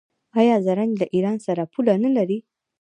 آیا زرنج له ایران سره پوله نلري؟